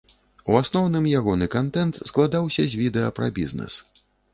У асноўным ягоны кантэнт складаўся з відэа пра бізнэс.